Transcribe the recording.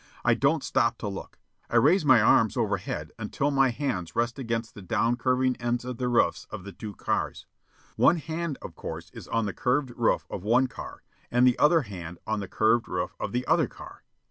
I don't stop to look. I raise my arms overhead until my hands rest against the down curving ends of the roofs of the two cars. One hand, of course, is on the curved roof of one car, the other hand on the curved roof of the other car.